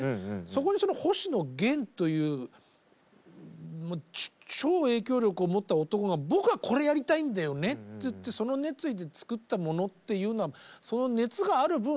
そこに星野源という超影響力を持った男が「僕はこれやりたんだよね」って言ってその熱意で作ったものっていうのはその熱がある分